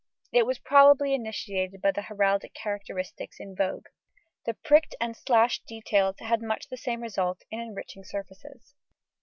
It was probably initiated by the heraldic characteristics in vogue. The pricked and slashed details had much the same result in enriching surfaces.